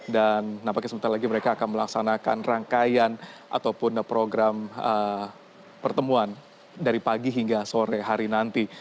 dan nampaknya sebentar lagi mereka akan melaksanakan rangkaian ataupun program pertemuan dari pagi hingga sore hari nanti